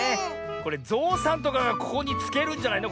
これぞうさんとかがここにつけるんじゃないの？